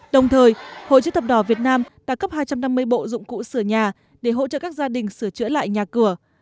đồng thời hội chữ thập đỏ việt nam đã cấp hai trăm năm mươi bộ dụng cụ sửa nhà để hỗ trợ các gia đình sửa chữa lại nhà cửa